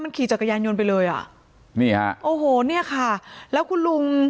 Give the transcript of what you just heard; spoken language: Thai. ขี่จักรยานยนต์ไปเลยอ่ะนี่ฮะโอ้โหเนี่ยค่ะแล้วคุณลุง